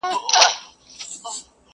بيزو وان سو په چغارو په نارو سو!!